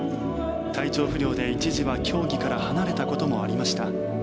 体調不良で一時は競技から離れたこともありました。